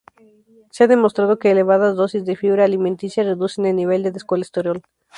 Se ha demostrado que elevadas dosis de fibra alimenticia reducen el nivel de colesterol.